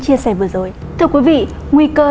chia sẻ vừa rồi thưa quý vị nguy cơ